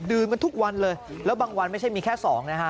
กันทุกวันเลยแล้วบางวันไม่ใช่มีแค่สองนะฮะ